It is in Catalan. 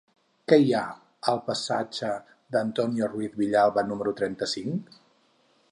Què hi ha al passatge d'Antonio Ruiz Villalba número trenta-cinc?